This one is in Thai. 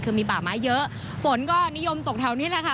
คือมีป่าไม้เยอะฝนก็นิยมตกแถวนี้แหละค่ะ